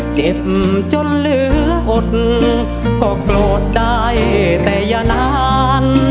เจ็บจนเหลืออดก็โกรธได้แต่อย่านาน